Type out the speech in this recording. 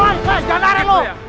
wah jangan lari lu